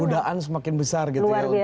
godaan semakin besar gitu ya